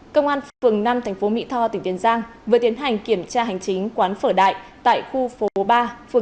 công an phường năm tp mỹ tho tỉnh tiền giang vừa tiến hành kiểm tra hành chính quán phở đại tại khu phố ba phường năm tp mỹ tho phát hiện một mươi chín ràn pháo hoa phun viên